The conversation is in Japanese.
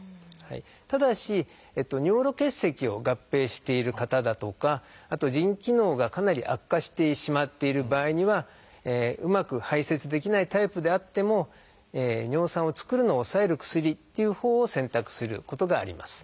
ただし尿路結石を合併している方だとかあと腎機能がかなり悪化してしまっている場合にはうまく排せつできないタイプであっても尿酸を作るのを抑える薬っていうほうを選択することがあります。